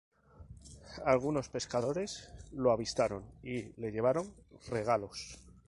Algunos pescadores lo avistaron y le llevaron regalos.